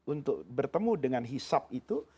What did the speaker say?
untuk bertemu dengan hisap itu